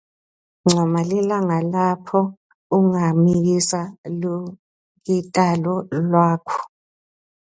Ncoma lilanga lapho ungamikisa lugitali lwakho.